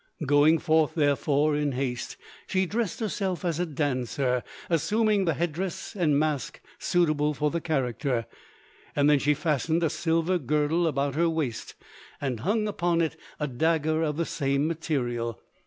Going forth, therefore, in haste, she dressed herself as a dancer, assuming the headdress and mask suitable for the character. Then she fastened a silver girdle about her waist, and hung upon it a dagger of the same material.